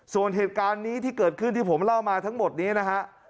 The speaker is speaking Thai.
ส่วนเหตุการณ์นี้ที่เกิดขึ้นที่ผมเล่ามาทั้งหมดนี้นะฮะ